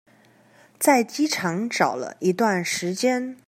在機場找了一段時間